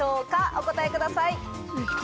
お答えください。